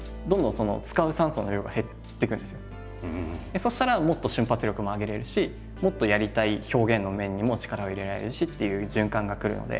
そうしたらもっと瞬発力も上げれるしもっとやりたい表現の面にも力を入れられるしという循環が来るので。